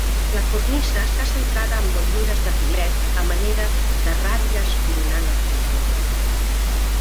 La cornisa està centrada amb motllures de filet a manera de ratlles coronant el conjunt.